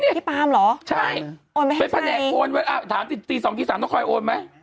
นี่นี่ใช่เป็นแผนกโอนไว้อ่ะถามตี๒๓ต้องคอยโอนไหม